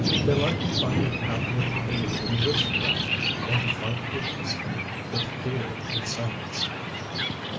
They likely find it happier to believe in witchcraft than to fight hopelessly with fear in silence.